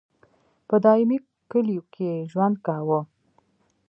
په دایمي کلیو کې یې ژوند کاوه.